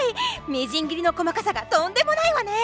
みじん切りの細かさがとんでもないわね！